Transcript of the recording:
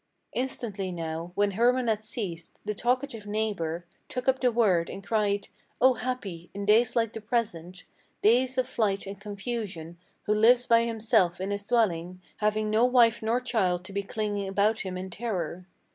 Instantly now, when Hermann had ceased, the talkative neighbor Took up the word, and cried: "Oh happy, in days like the present, Days of flight and confusion, who lives by himself in his dwelling, Having no wife nor child to be clinging about him in terror!